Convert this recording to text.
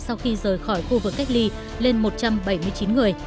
sau khi rời khỏi khu vực cách ly lên một trăm bảy mươi chín người